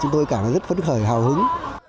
tôi cảm thấy rất phấn khởi hào hứng